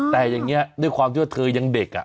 แต่อย่างนี้ด้วยความที่ว่าเธอยังเด็ก